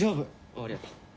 あっありがとう。